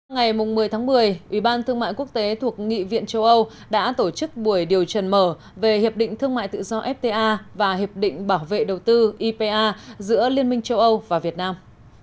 ngày một mươi một mươi ủy ban thương mại quốc tế thuộc nghị viện châu âu đã tổ chức buổi điều trần mở về hiệp định thương mại tự do fta và hiệp định bảo vệ đầu tư ipa giữa liên minh châu âu và việt nam